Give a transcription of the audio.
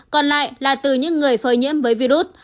còn lại là từ những người phơi nhiễm với virus